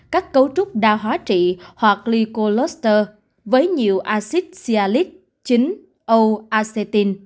các cấu trúc đa hóa trị hoặc glycoloster với nhiều acid sialic chín o acetin